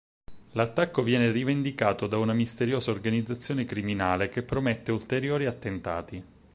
L'attacco viene rivendicato da una misteriosa organizzazione criminale, che promette ulteriori attentati.